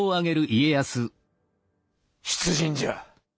出陣じゃ。